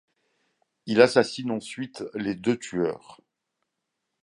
Il assassine ensuite les deux tueurs.